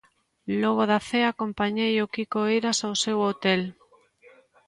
Logo da cea acompañei o Quico Eiras ao seu hotel.